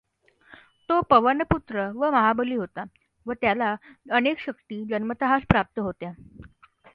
तो पवनपुत्र व महाबली होता व त्याला अनेक शक्ती जन्मतःच प्राप्त होत्या.